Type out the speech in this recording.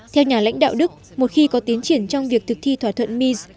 theo nhà lãnh đạo đức một khi có tiến triển trong việc thực thi thỏa thuận mis